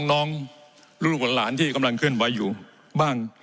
น้องลูกหลานที่กำลังเคลื่อนไหวอยู่บ้าง